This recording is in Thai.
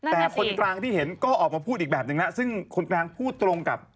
แต่คนกลางที่เห็นก็ออกมาพูดอีกแบบหนึ่งนะซึ่งคนกลางพูดตรงกับ